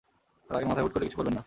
রাগের মাথায় হুট করে কিছু করবেন না।